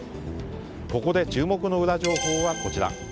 ここで注目のウラ情報はこちら。